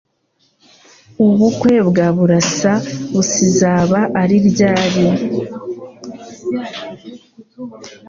Ubukwe bwa Burasa buszaba ari ryari?